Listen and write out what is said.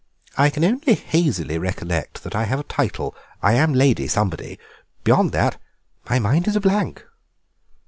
I can only hazily recollect that I have a title; I am Lady Somebody—beyond that my mind is a blank."